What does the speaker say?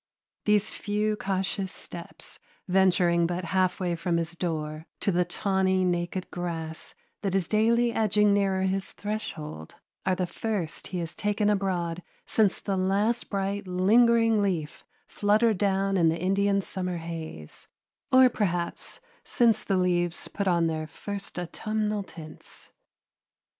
These few cautious steps, venturing but half way from his door to the tawny naked grass that is daily edging nearer to his threshold, are the first he has taken abroad since the last bright lingering leaf fluttered down in the Indian summer haze, or perhaps since the leaves put on their first autumnal tints.